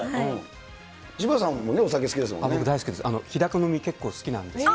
渋谷さんもお酒好きですよね。